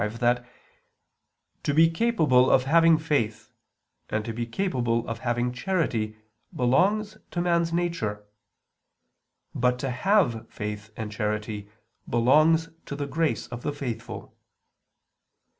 v) that "to be capable of having faith and to be capable of having charity belongs to man's nature; but to have faith and charity belongs to the grace of the faithful."